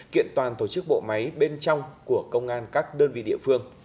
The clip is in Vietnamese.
kiện toàn tổ chức bộ máy bên trong của công an các đơn vị địa phương